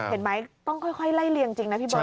เห็นไหมต้องค่อยไล่เลียงจริงนะพี่เบิร์